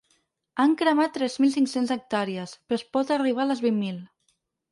Han cremat tres mil cinc-cents hectàrees, però es pot arribar a les vint mil.